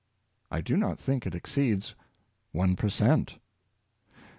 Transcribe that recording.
I do not think it exceeds one per cent."